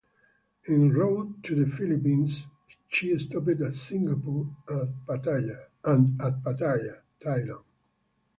En route to the Philippines, she stopped at Singapore and at Pattaya, Thailand.